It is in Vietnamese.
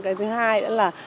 cái thứ hai